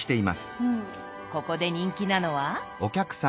ここで人気なのは？